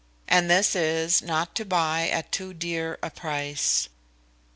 And this is, not to buy at too dear a price.